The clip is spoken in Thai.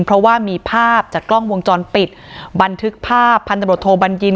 เพราะว่ามีภาพจากกล้องวงจรปิดบันทึกภาพพันธบทโทบัญญิน